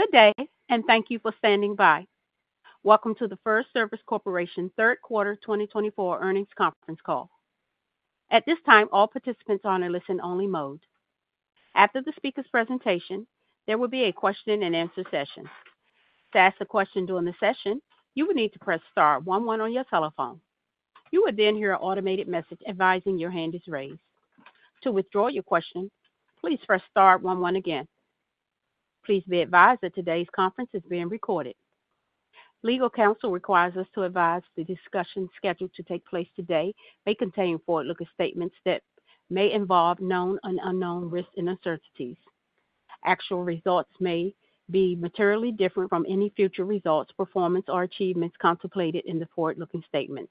Good day, and thank you for standing by. Welcome to the FirstService Corporation third quarter 2024 earnings conference call. At this time, all participants are on a listen-only mode. After the speaker's presentation, there will be a question-and-answer session. To ask a question during the session, you will need to press star one one on your telephone. You will then hear an automated message advising your hand is raised. To withdraw your question, please press star one one again. Please be advised that today's conference is being recorded. Legal counsel requires us to advise the discussion scheduled to take place today may contain forward-looking statements that may involve known and unknown risks and uncertainties. Actual results may be materially different from any future results, performance, or achievements contemplated in the forward-looking statements.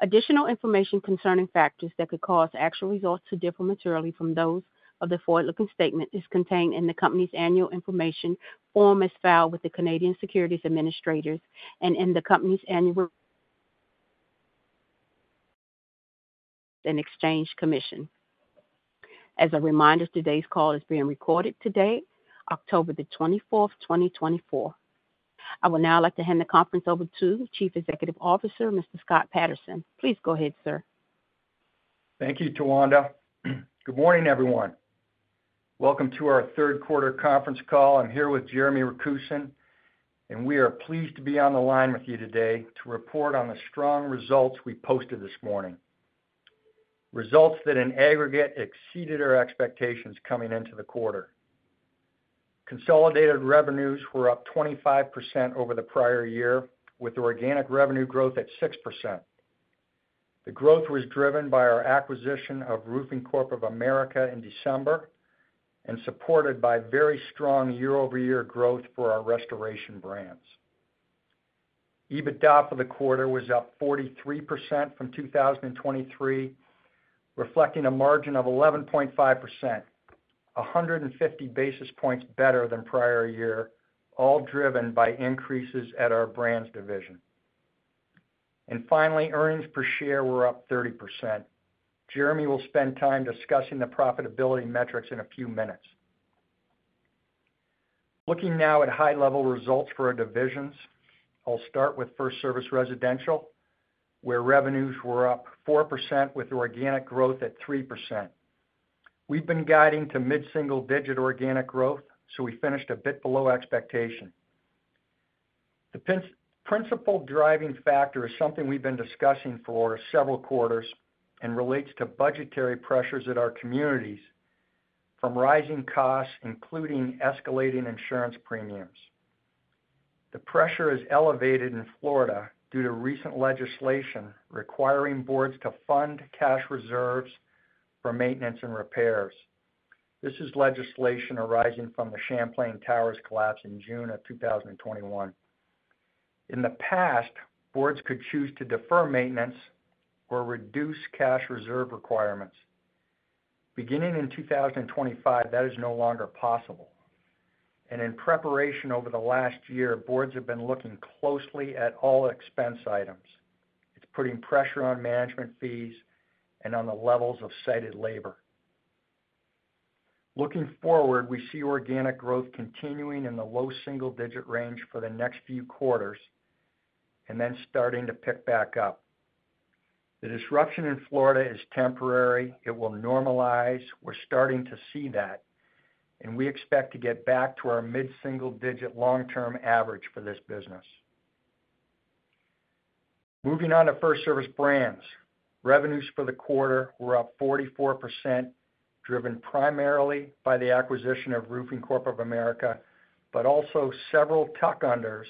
Additional information concerning factors that could cause actual results to differ materially from those of the forward-looking statement is contained in the company's Annual Information Form, as filed with the Canadian Securities Administrators, and in the company's annual and Securities and Exchange Commission. As a reminder, today's call is being recorded today, October 24th, 2024. I would now like to hand the conference over to the Chief Executive Officer, Mr. Scott Patterson. Please go ahead, sir. Thank you, Tawanda. Good morning, everyone. Welcome to our third quarter conference call. I'm here with Jeremy Rakusen, and we are pleased to be on the line with you today to report on the strong results we posted this morning. Results that in aggregate exceeded our expectations coming into the quarter. Consolidated revenues were up 25% over the prior year, with organic revenue growth at 6%. The growth was driven by our acquisition of Roofing Corp. of America in December and supported by very strong year-over-year growth for our restoration brands. EBITDA for the quarter was up 43% from 2023, reflecting a margin of 11.5%, 150 basis points better than prior year, all driven by increases at our brands division. And finally, earnings per share were up 30%. Jeremy will spend time discussing the profitability metrics in a few minutes. Looking now at high-level results for our divisions, I'll start with FirstService Residential, where revenues were up 4% with organic growth at 3%. We've been guiding to mid-single digit organic growth, so we finished a bit below expectation. The principal driving factor is something we've been discussing for several quarters and relates to budgetary pressures at our communities from rising costs, including escalating insurance premiums. The pressure is elevated in Florida due to recent legislation requiring boards to fund cash reserves for maintenance and repairs. This is legislation arising from the Champlain Towers collapse in June of 2021. In the past, boards could choose to defer maintenance or reduce cash reserve requirements. Beginning in 2025, that is no longer possible, and in preparation over the last year, boards have been looking closely at all expense items. It's putting pressure on management fees and on the levels of sited labor. Looking forward, we see organic growth continuing in the low single-digit range for the next few quarters and then starting to pick back up. The disruption in Florida is temporary. It will normalize. We're starting to see that, and we expect to get back to our mid-single-digit long-term average for this business. Moving on to FirstService Brands. Revenues for the quarter were up 44%, driven primarily by the acquisition of Roofing Corp. of America, but also several tuck-unders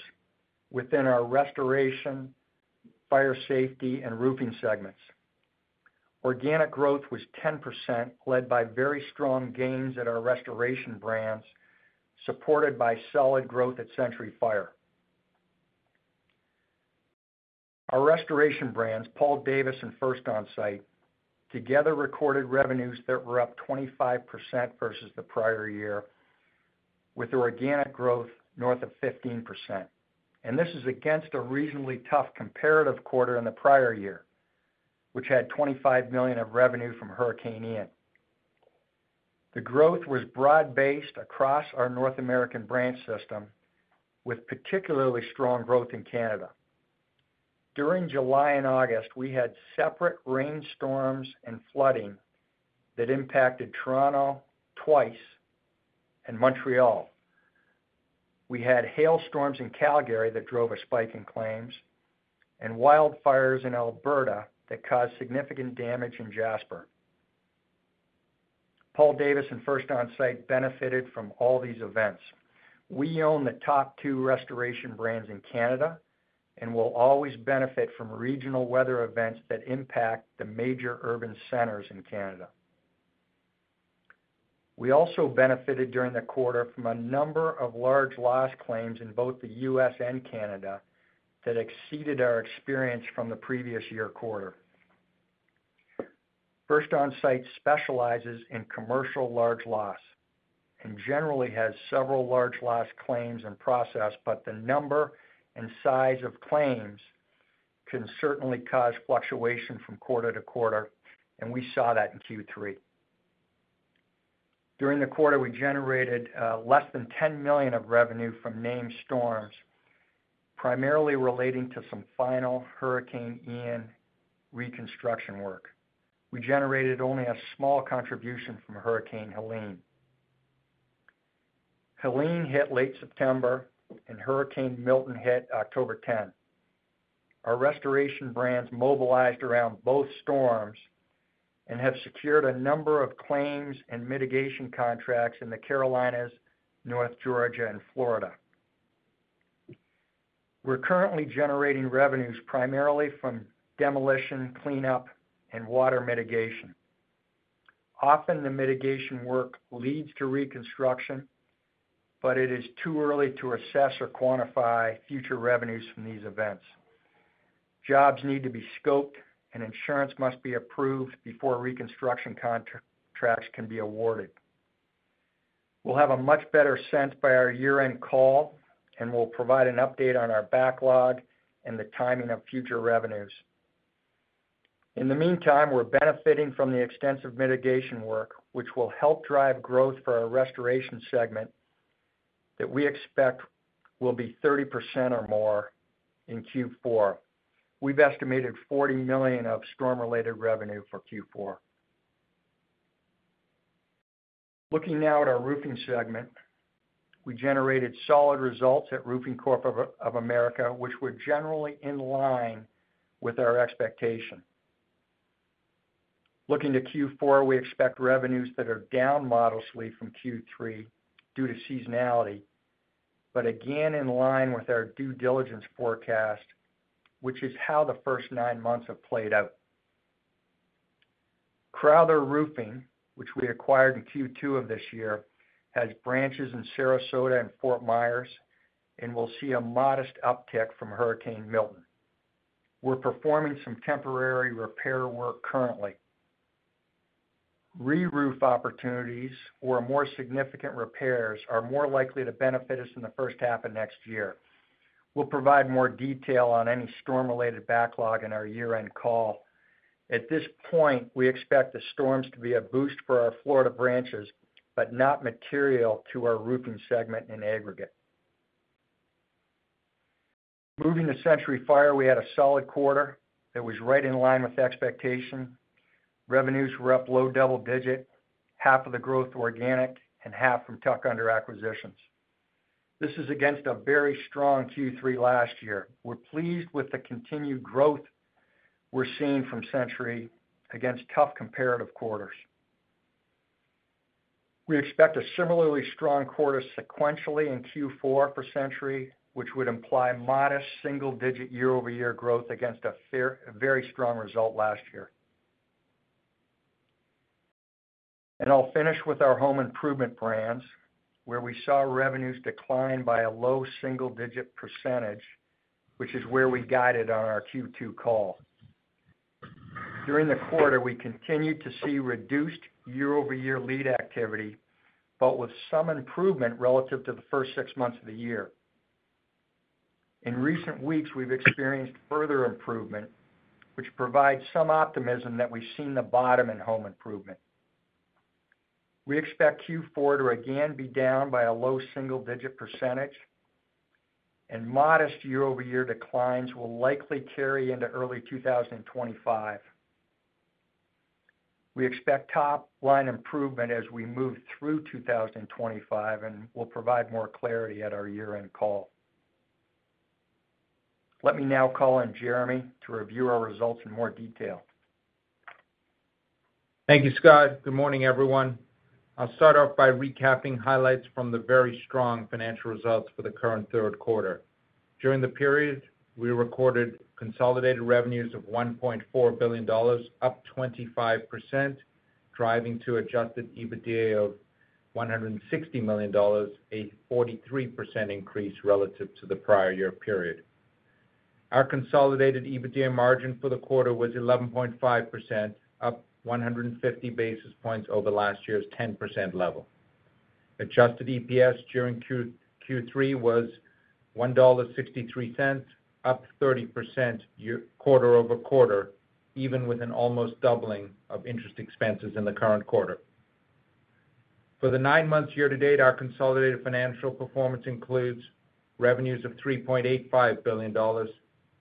within our restoration, fire safety, and roofing segments. Organic growth was 10%, led by very strong gains at our restoration brands, supported by solid growth at Century Fire. Our restoration brands, Paul Davis and First Onsite, together recorded revenues that were up 25% versus the prior year, with organic growth north of 15%. And this is against a reasonably tough comparative quarter in the prior year, which had $25 million of revenue from Hurricane Ian. The growth was broad-based across our North American brand system, with particularly strong growth in Canada. During July and August, we had separate rainstorms and flooding that impacted Toronto twice and Montreal. We had hailstorms in Calgary that drove a spike in claims and wildfires in Alberta that caused significant damage in Jasper. Paul Davis and First Onsite benefited from all these events. We own the top two restoration brands in Canada and will always benefit from regional weather events that impact the major urban centers in Canada. We also benefited during the quarter from a number of large loss claims in both the U.S. and Canada that exceeded our experience from the previous year quarter. First Onsite specializes in commercial large loss and generally has several large loss claims in process, but the number and size of claims can certainly cause fluctuation from quarter to quarter, and we saw that in Q3. During the quarter, we generated less than $10 million of revenue from named storms, primarily relating to some final Hurricane Ian reconstruction work. We generated only a small contribution from Hurricane Helene. Helene hit late September, and Hurricane Milton hit October 10. Our restoration brands mobilized around both storms and have secured a number of claims and mitigation contracts in the Carolinas, North Georgia and Florida. We're currently generating revenues primarily from demolition, cleanup, and water mitigation. Often, the mitigation work leads to reconstruction, but it is too early to assess or quantify future revenues from these events. Jobs need to be scoped, and insurance must be approved before reconstruction contracts can be awarded. We'll have a much better sense by our year-end call, and we'll provide an update on our backlog and the timing of future revenues. In the meantime, we're benefiting from the extensive mitigation work, which will help drive growth for our restoration segment that we expect will be 30% or more in Q4. We've estimated $40 million of storm-related revenue for Q4. Looking now at our roofing segment, we generated solid results at Roofing Corp. of America, which were generally in line with our expectation. Looking to Q4, we expect revenues that are down modestly from Q3 due to seasonality, but again, in line with our due diligence forecast, which is how the first nine months have played out. Crowther Roofing, which we acquired in Q2 of this year, has branches in Sarasota and Fort Myers and will see a modest uptick from Hurricane Milton. We're performing some temporary repair work currently. Re-roof opportunities or more significant repairs are more likely to benefit us in the first half of next year. We'll provide more detail on any storm-related backlog in our year-end call. At this point, we expect the storms to be a boost for our Florida branches, but not material to our roofing segment in aggregate. Moving to Century Fire, we had a solid quarter that was right in line with expectation. Revenues were up low double-digit, half of the growth organic and half from tuck-under acquisitions. This is against a very strong Q3 last year. We're pleased with the continued growth we're seeing from Century against tough comparative quarters. We expect a similarly strong quarter sequentially in Q4 for Century, which would imply modest single-digit year-over-year growth against a very strong result last year. And I'll finish with our home improvement brands, where we saw revenues decline by a low single-digit %, which is where we guided on our Q2 call. During the quarter, we continued to see reduced year-over-year lead activity, but with some improvement relative to the first six months of the year. In recent weeks, we've experienced further improvement, which provides some optimism that we've seen the bottom in home improvement. We expect Q4 to again be down by a low single-digit %, and modest year-over-year declines will likely carry into early 2025. We expect top-line improvement as we move through 2025, and we'll provide more clarity at our year-end call. Let me now call on Jeremy to review our results in more detail. Thank you, Scott. Good morning, everyone. I'll start off by recapping highlights from the very strong financial results for the current third quarter. During the period, we recorded consolidated revenues of $1.4 billion, up 25%, driving to adjusted EBITDA of $160 million, a 43% increase relative to the prior year period. Our consolidated EBITDA margin for the quarter was 11.5%, up 150 basis points over last year's 10% level. Adjusted EPS during Q3 was $1.63, up 30% year-over-year, quarter-over-quarter, even with an almost doubling of interest expenses in the current quarter. For the nine months year to date, our consolidated financial performance includes revenues of $3.85 billion,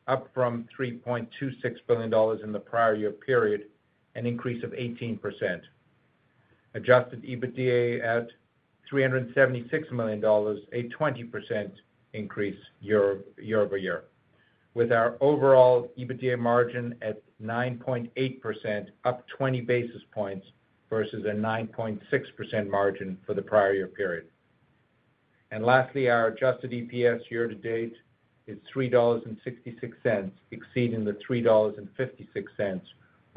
up from $3.26 billion in the prior year period, an increase of 18%. Adjusted EBITDA at $376 million, a 20% increase year, year over year, with our overall EBITDA margin at 9.8%, up 20 basis points versus a 9.6% margin for the prior year period. And lastly, our adjusted EPS year to date is $3.66, exceeding the $3.56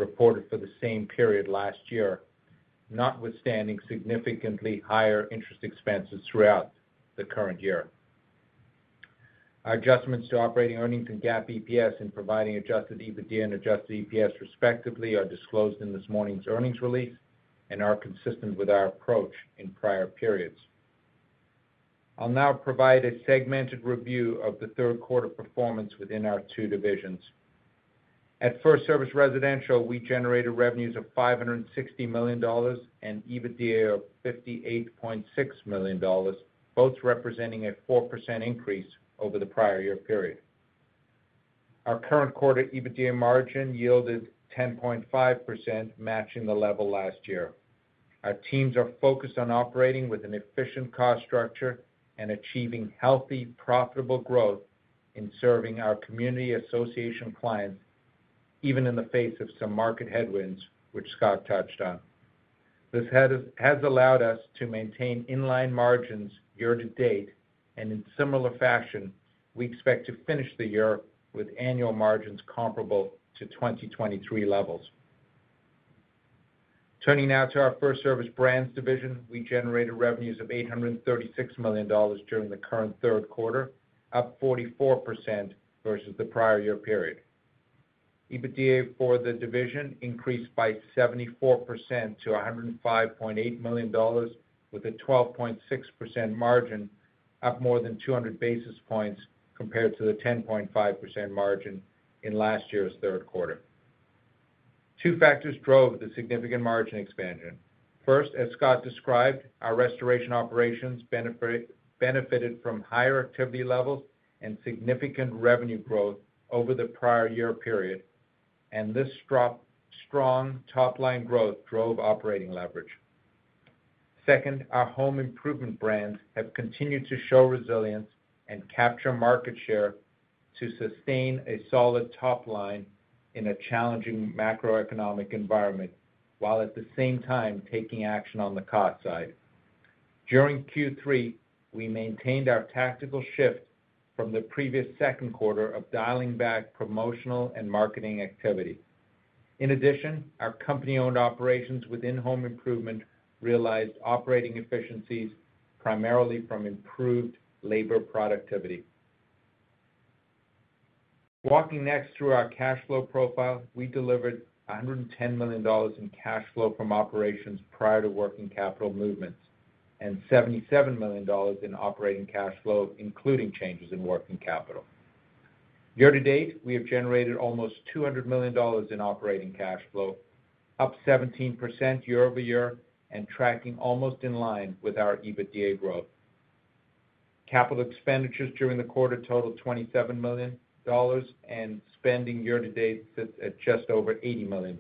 reported for the same period last year, notwithstanding significantly higher interest expenses throughout the current year. Our adjustments to operating earnings and GAAP EPS in providing adjusted EBITDA and adjusted EPS, respectively, are disclosed in this morning's earnings release and are consistent with our approach in prior periods.... I'll now provide a segmented review of the third quarter performance within our two divisions. At FirstService Residential, we generated revenues of $560 million and EBITDA of $58.6 million, both representing a 4% increase over the prior year period. Our current quarter EBITDA margin yielded 10.5%, matching the level last year. Our teams are focused on operating with an efficient cost structure and achieving healthy, profitable growth in serving our community association clients, even in the face of some market headwinds, which Scott touched on. This has allowed us to maintain in-line margins year-to-date, and in similar fashion, we expect to finish the year with annual margins comparable to 2023 levels. Turning now to our FirstService Brands division, we generated revenues of $836 million during the current third quarter, up 44% versus the prior year period. EBITDA for the division increased by 74% to $105.8 million, with a 12.6% margin, up more than 200 basis points compared to the 10.5% margin in last year's third quarter. Two factors drove the significant margin expansion. First, as Scott described, our restoration operations benefited from higher activity levels and significant revenue growth over the prior year period, and this strong, strong top line growth drove operating leverage. Second, our home improvement brands have continued to show resilience and capture market share to sustain a solid top line in a challenging macroeconomic environment, while at the same time taking action on the cost side. During Q3, we maintained our tactical shift from the previous second quarter of dialing back promotional and marketing activity. In addition, our company-owned operations within home improvement realized operating efficiencies, primarily from improved labor productivity. Walking next through our cash flow profile, we delivered $110 million in cash flow from operations prior to working capital movements, and $77 million in operating cash flow, including changes in working capital. Year to date, we have generated almost $200 million in operating cash flow, up 17% year over year, and tracking almost in line with our EBITDA growth. Capital expenditures during the quarter totaled $27 million, and spending year to date sits at just over $80 million.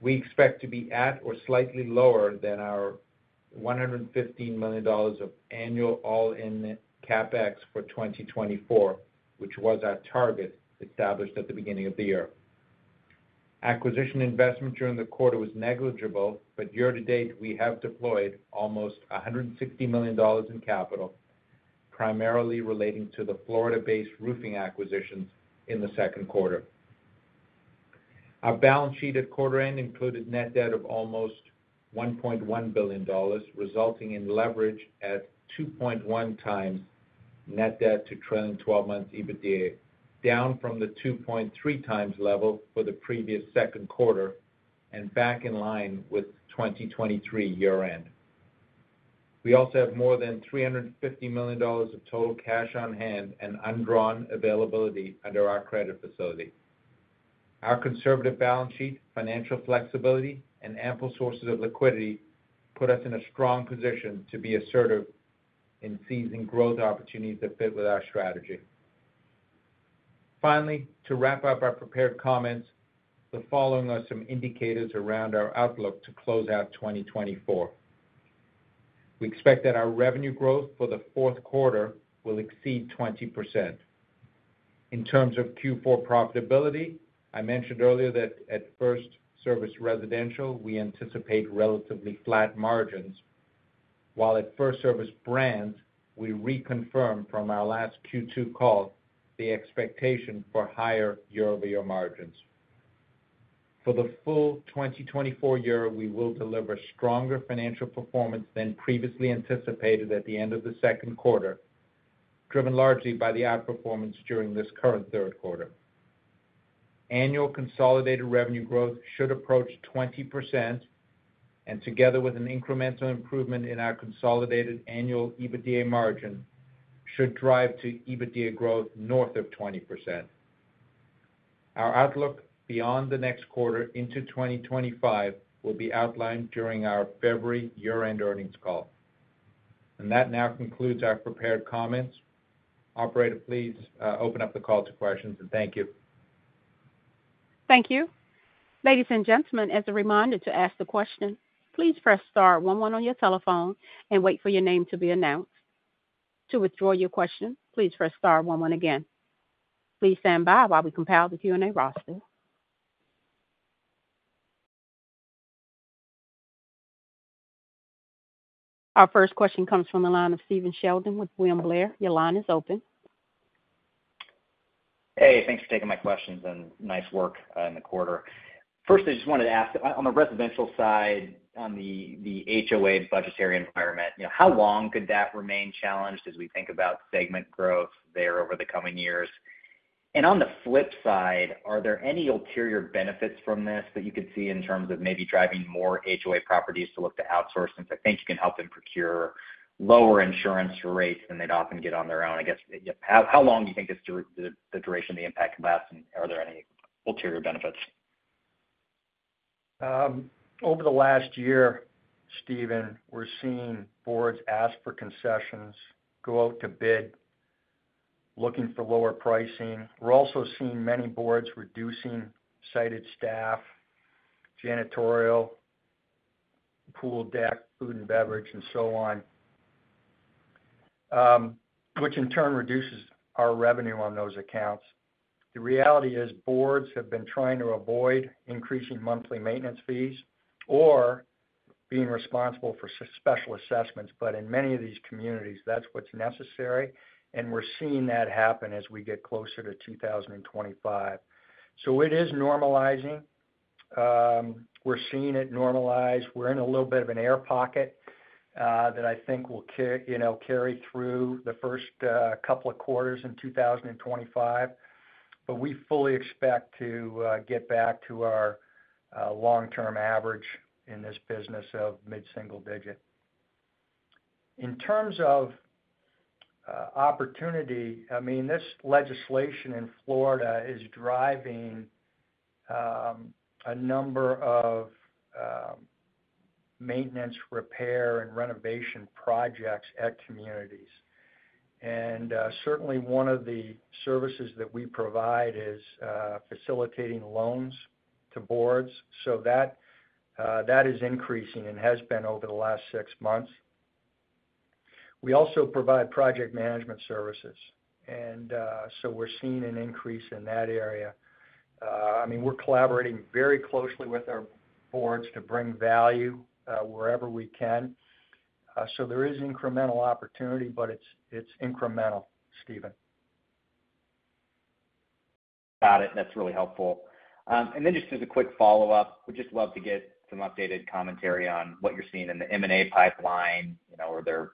We expect to be at or slightly lower than our $115 million of annual all-in CapEx for 2024, which was our target established at the beginning of the year. Acquisition investment during the quarter was negligible, but year to date, we have deployed almost $160 million in capital, primarily relating to the Florida-based roofing acquisitions in the second quarter. Our balance sheet at quarter end included net debt of almost $1.1 billion, resulting in leverage at 2.1x net debt to trailing twelve months EBITDA, down from the 2.3x level for the previous second quarter and back in line with 2023 year end. We also have more than $350 million of total cash on hand and undrawn availability under our credit facility. Our conservative balance sheet, financial flexibility, and ample sources of liquidity put us in a strong position to be assertive in seizing growth opportunities that fit with our strategy. Finally, to wrap up our prepared comments, the following are some indicators around our outlook to close out twenty twenty-four. We expect that our revenue growth for the fourth quarter will exceed 20%. In terms of Q4 profitability, I mentioned earlier that at FirstService Residential, we anticipate relatively flat margins, while at FirstService Brands, we reconfirm from our last Q2 call the expectation for higher year-over-year margins. For the full twenty twenty-four year, we will deliver stronger financial performance than previously anticipated at the end of the second quarter, driven largely by the outperformance during this current third quarter. Annual consolidated revenue growth should approach 20%, and together with an incremental improvement in our consolidated annual EBITDA margin, should drive to EBITDA growth north of 20%. Our outlook beyond the next quarter into 2025 will be outlined during our February year-end earnings call, and that now concludes our prepared comments. Operator, please, open up the call to questions, and thank you. Thank you. Ladies and gentlemen, as a reminder to ask the question, please press star one one on your telephone and wait for your name to be announced. To withdraw your question, please press star one one again. Please stand by while we compile the Q&A roster. Our first question comes from the line of Stephen Sheldon with William Blair. Your line is open. Hey, thanks for taking my questions, and nice work in the quarter. First, I just wanted to ask, on the residential side, on the HOA budgetary environment, you know, how long could that remain challenged as we think about segment growth there over the coming years? And on the flip side, are there any ulterior benefits from this that you could see in terms of maybe driving more HOA properties to look to outsource, since I think you can help them procure lower insurance rates than they'd often get on their own? I guess, how long do you think the duration of the impact can last, and are there any ulterior benefits? Over the last year, Stephen, we're seeing boards ask for concessions, go out to bid, looking for lower pricing. We're also seeing many boards reducing site staff, janitorial, pool deck, food and beverage, and so on, which in turn reduces our revenue on those accounts. The reality is, boards have been trying to avoid increasing monthly maintenance fees or being responsible for special assessments, but in many of these communities, that's what's necessary, and we're seeing that happen as we get closer to 2025, so it is normalizing. We're seeing it normalize. We're in a little bit of an air pocket that I think will, you know, carry through the first couple of quarters in 2025, but we fully expect to get back to our long-term average in this business of mid-single digit. In terms of opportunity, I mean, this legislation in Florida is driving a number of maintenance, repair, and renovation projects at communities. And certainly, one of the services that we provide is facilitating loans to boards. So that is increasing and has been over the last six months. We also provide project management services, and so we're seeing an increase in that area. I mean, we're collaborating very closely with our boards to bring value wherever we can. So there is incremental opportunity, but it's incremental, Stephen. Got it. That's really helpful. And then just as a quick follow-up, would just love to get some updated commentary on what you're seeing in the M&A pipeline. You know, are there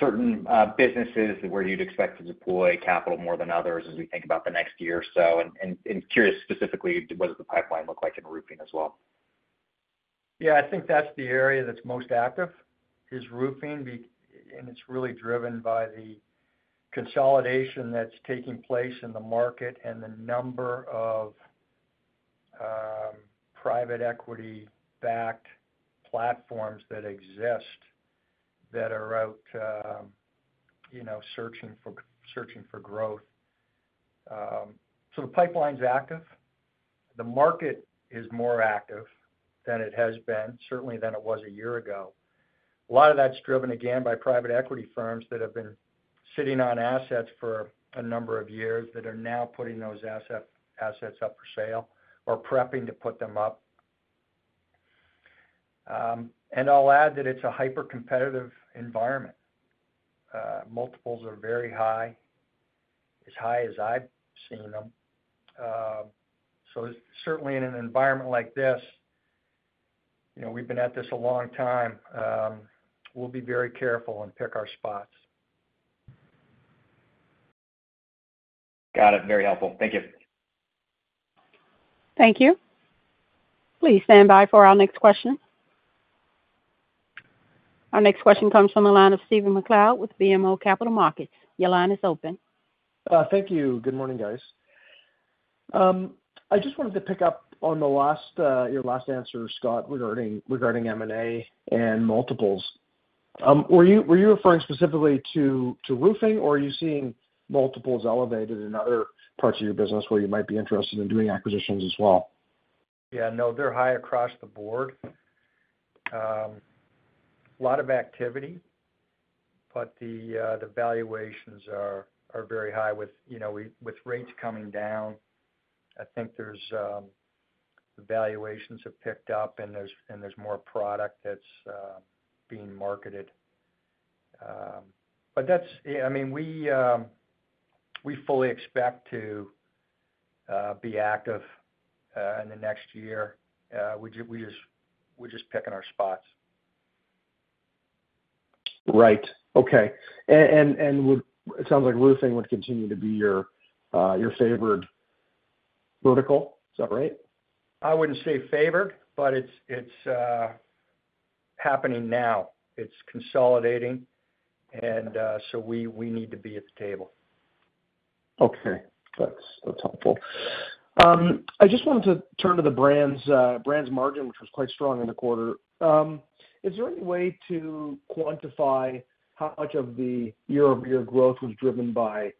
certain businesses where you'd expect to deploy capital more than others as we think about the next year or so? And curious, specifically, what does the pipeline look like in roofing as well? Yeah, I think that's the area that's most active, is roofing, being and it's really driven by the consolidation that's taking place in the market and the number of private equity-backed platforms that exist that are out, you know, searching for growth. So the pipeline's active. The market is more active than it has been, certainly than it was a year ago. A lot of that's driven, again, by private equity firms that have been sitting on assets for a number of years, that are now putting those assets up for sale or prepping to put them up, and I'll add that it's a hyper-competitive environment. Multiples are very high, as high as I've seen them. So certainly, in an environment like this, you know, we've been at this a long time, we'll be very careful and pick our spots. Got it. Very helpful. Thank you. Thank you. Please stand by for our next question. Our next question comes from the line of Stephen MacLeod with BMO Capital Markets. Your line is open. Thank you. Good morning, guys. I just wanted to pick up on the last, your last answer, Scott, regarding M&A and multiples. Were you referring specifically to roofing, or are you seeing multiples elevated in other parts of your business where you might be interested in doing acquisitions as well? Yeah, no, they're high across the board. A lot of activity, but the valuations are very high with, you know, with rates coming down, I think there's the valuations have picked up, and there's more product that's being marketed. But that's... Yeah, I mean, we fully expect to be active in the next year. We just, we're just picking our spots. Right. Okay. And it sounds like roofing would continue to be your, your favored vertical. Is that right? I wouldn't say favored, but it's happening now. It's consolidating, and so we need to be at the table. Okay. That's helpful. I just wanted to turn to the brands margin, which was quite strong in the quarter. Is there any way to quantify how much of the year-over-year growth was driven by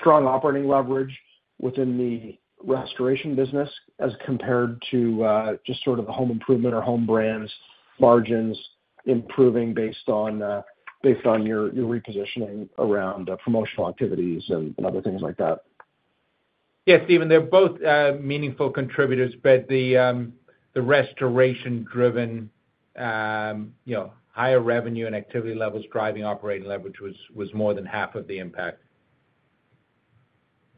strong operating leverage within the restoration business, as compared to just sort of the home improvement or home brands' margins improving based on your repositioning around promotional activities and other things like that? Yeah, Stephen, they're both meaningful contributors, but the restoration-driven, you know, higher revenue and activity levels driving operating leverage was more than half of the impact....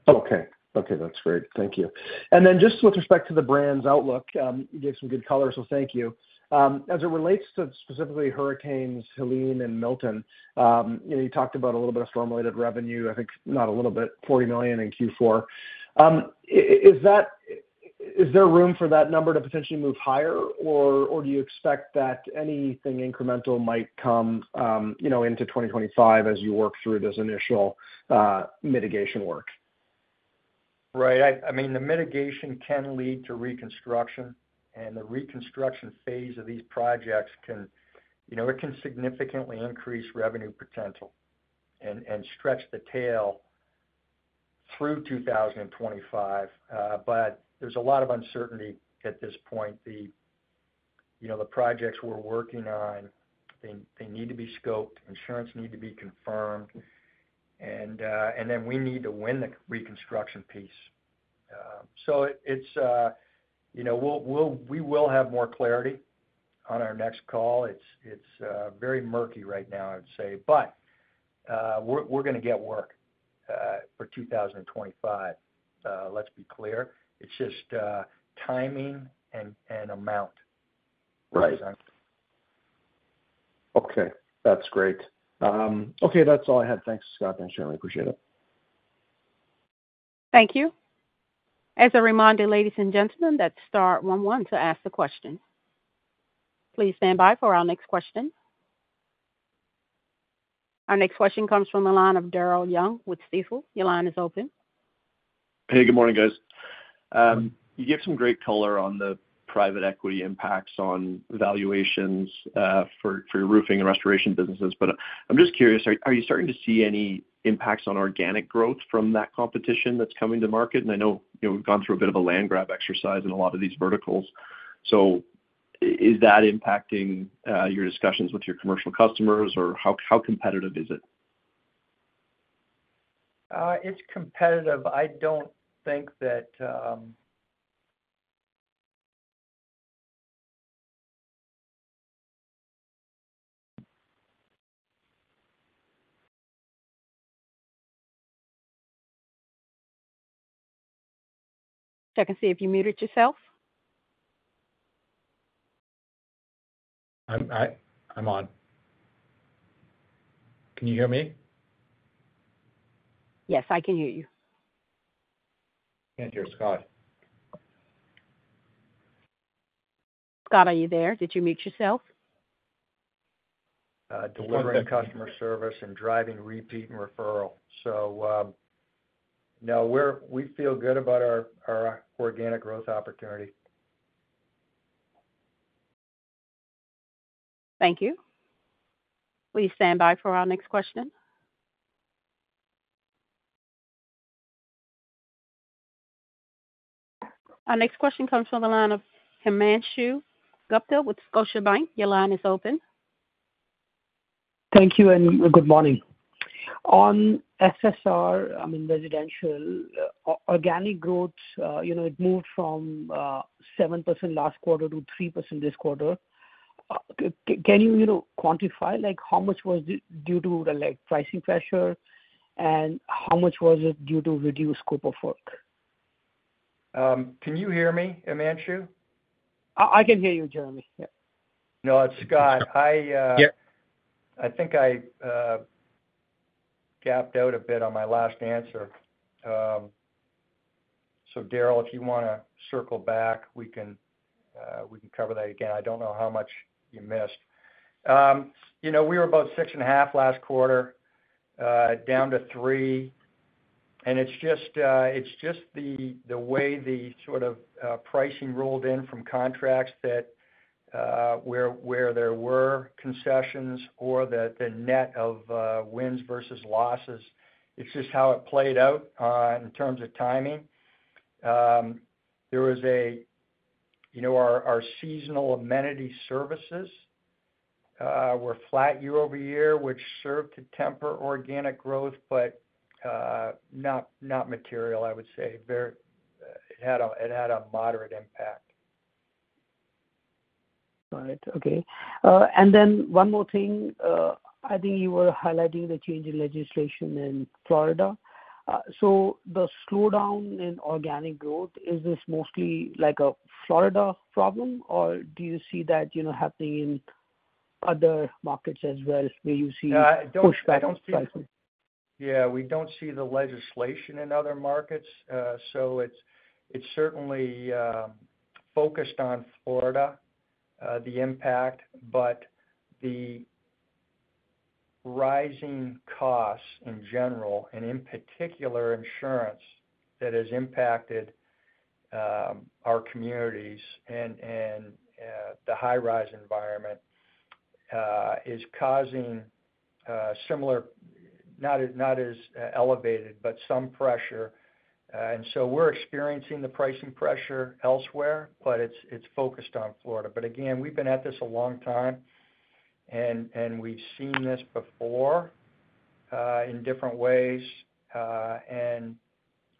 Okay, okay, that's great. Thank you. And then just with respect to the brand's outlook, you gave some good color, so thank you. As it relates to specifically hurricanes Helene and Milton, you know, you talked about a little bit of storm-related revenue, I think not a little bit, $40 million in Q4. Is there room for that number to potentially move higher, or do you expect that anything incremental might come, you know, into 2025 as you work through this initial mitigation work? Right. I mean, the mitigation can lead to reconstruction, and the reconstruction phase of these projects can, you know, it can significantly increase revenue potential and stretch the tail through 2025. But there's a lot of uncertainty at this point. You know, the projects we're working on, they need to be scoped, insurance need to be confirmed, and then we need to win the reconstruction piece. So it's, you know, we'll have more clarity on our next call. It's very murky right now, I'd say. But we're gonna get work for 2025, let's be clear. It's just timing and amount. Right. Exactly. Okay, that's great. Okay, that's all I had. Thanks, Scott and Jeremy, appreciate it. Thank you. As a reminder, ladies and gentlemen, that's star one one to ask the question. Please stand by for our next question. Our next question comes from the line of Daryl Young with Stifel. Your line is open. Hey, good morning, guys. You gave some great color on the private equity impacts on valuations for your roofing and restoration businesses. But I'm just curious, are you starting to see any impacts on organic growth from that competition that's coming to market? And I know, you know, we've gone through a bit of a land grab exercise in a lot of these verticals. So is that impacting your discussions with your commercial customers, or how competitive is it? It's competitive. I don't think that... Check and see if you muted yourself. I'm on. Can you hear me? Yes, I can hear you. Can't hear Scott. Scott, are you there? Did you mute yourself? Delivering customer service and driving repeat and referral. So, no, we feel good about our organic growth opportunity. Thank you. Please stand by for our next question. Our next question comes from the line of Himanshu Gupta with Scotiabank. Your line is open. Thank you, and good morning. On SSR, I mean, residential, organic growth, you know, it moved from 7% last quarter to 3% this quarter. Can you, you know, quantify, like, how much was it due to the, like, pricing pressure, and how much was it due to reduced scope of work? Can you hear me, Himanshu? I can hear you, Jeremy. Yeah. No, it's Scott. Yep. I think I zoned out a bit on my last answer. So Daryl, if you wanna circle back, we can cover that again. I don't know how much you missed. You know, we were about six and a half last quarter, down to three. And it's just the way the sort of pricing rolled in from contracts that where there were concessions or the net of wins versus losses. It's just how it played out in terms of timing. There was, you know, our seasonal amenity services were flat year over year, which served to temper organic growth, but not material, I would say. It had a moderate impact. All right. Okay. And then one more thing, I think you were highlighting the change in legislation in Florida. So the slowdown in organic growth, is this mostly like a Florida problem, or do you see that, you know, happening in other markets as well? Where you see- I don't- pushback on pricing. Yeah, we don't see the legislation in other markets. So it's certainly focused on Florida, the impact, but the rising costs in general, and in particular, insurance, that has impacted our communities and the high rise environment is causing similar, not as elevated, but some pressure. And so we're experiencing the pricing pressure elsewhere, but it's focused on Florida. But again, we've been at this a long time and we've seen this before in different ways, and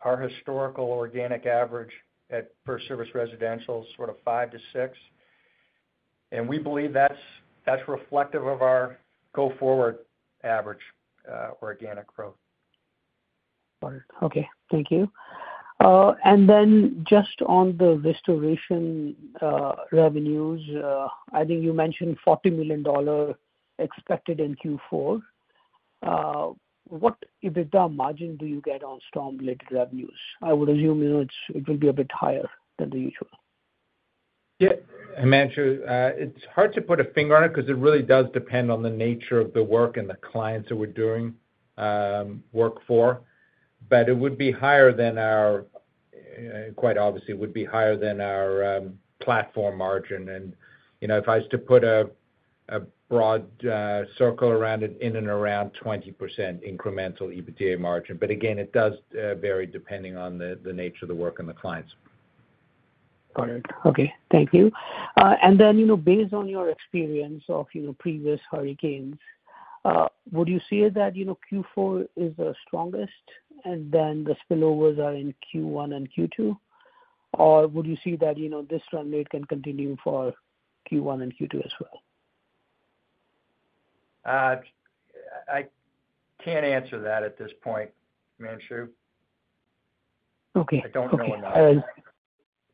our historical organic average at FirstService Residential is sort of five to six... and we believe that's reflective of our go forward average organic growth. Got it. Okay. Thank you, and then just on the restoration revenues, I think you mentioned $40 million expected in Q4. What EBITDA margin do you get on storm-related revenues? I would assume, you know, it will be a bit higher than the usual. Yeah, Himanshu, it's hard to put a finger on it, 'cause it really does depend on the nature of the work and the clients that we're doing work for. But it would be higher than our, quite obviously, it would be higher than our platform margin. And, you know, if I was to put a broad circle around it, in and around 20% incremental EBITDA margin, but again, it does vary depending on the nature of the work and the clients. Got it. Okay, thank you, and then, you know, based on your experience of, you know, previous hurricanes, would you say that, you know, Q4 is the strongest, and then the spillovers are in Q1 and Q2? Or would you see that, you know, this run rate can continue for Q1 and Q2 as well? I can't answer that at this point, Himanshu. Okay. I don't know enough.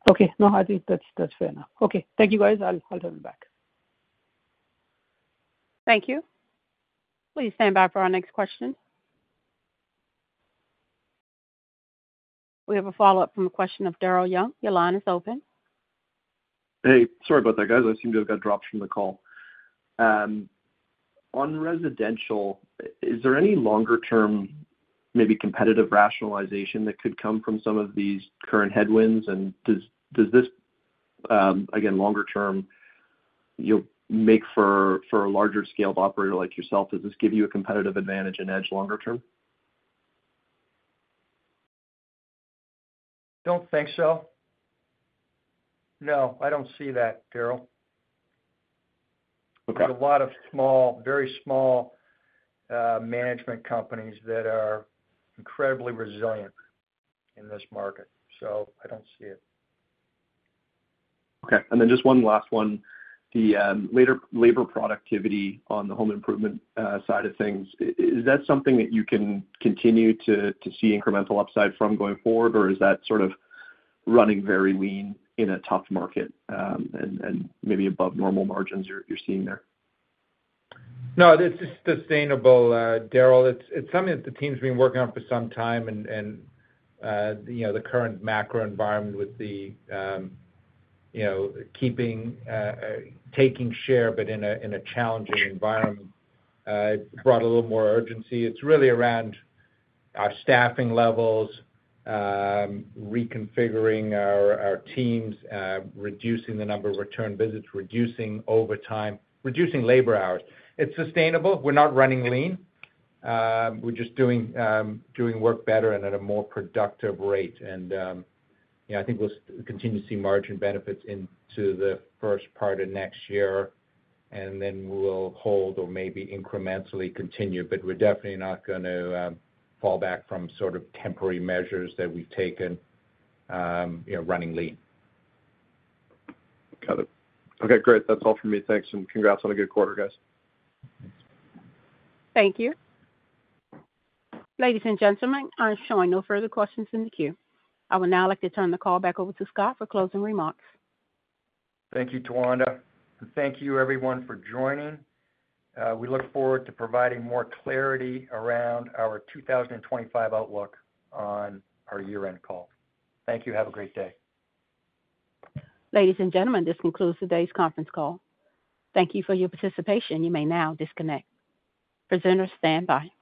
Okay. No, I think that's, that's fair enough. Okay, thank you, guys. I'll, I'll turn it back. Thank you. Please stand by for our next question. We have a follow-up from a question of Daryl Young. Your line is open. Hey, sorry about that, guys. I seem to have got dropped from the call. On residential, is there any longer term, maybe competitive rationalization that could come from some of these current headwinds? And does this, again, longer term, you'll make for a larger scaled operator like yourself, does this give you a competitive advantage and edge longer term? Don't think so. No, I don't see that, Daryl. Okay. There are a lot of small, very small, management companies that are incredibly resilient in this market, so I don't see it. Okay, and then just one last one. The labor productivity on the home improvement side of things is that something that you can continue to see incremental upside from going forward? Or is that sort of running very lean in a tough market, and maybe above normal margins you're seeing there? No, it's, it's sustainable, Daryl. It's, it's something that the team's been working on for some time, and, and, you know, the current macro environment with the, you know, keeping, taking share, but in a, in a challenging environment, it brought a little more urgency. It's really around our staffing levels, reconfiguring our, our teams, reducing the number of return visits, reducing overtime, reducing labor hours. It's sustainable. We're not running lean. We're just doing, doing work better and at a more productive rate. And, yeah, I think we'll continue to see margin benefits into the first part of next year, and then we'll hold or maybe incrementally continue, but we're definitely not gonna, fall back from sort of temporary measures that we've taken, you know, running lean. Got it. Okay, great. That's all for me. Thanks, and congrats on a good quarter, guys. Thank you. Ladies and gentlemen, I'm showing no further questions in the queue. I would now like to turn the call back over to Scott for closing remarks. Thank you, Tawanda, and thank you everyone for joining. We look forward to providing more clarity around our 2025 outlook on our year-end call. Thank you. Have a great day. Ladies and gentlemen, this concludes today's conference call. Thank you for your participation. You may now disconnect. Presenters stand by.